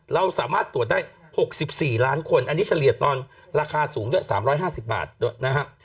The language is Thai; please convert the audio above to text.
เราสามารถตรวจได้๖๔ล้านคนอันนี้เฉลี่ยตอนราคาสูงด้วย๓๕๐บาทด้วยนะครับ